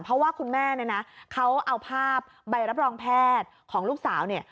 เพราะว่าคุณแม่เนี่ยนะเขาเอาภาพใบรับรองแพทย์ของลูกสาวเนี่ย